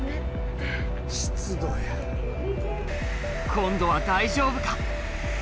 今度は大丈夫か？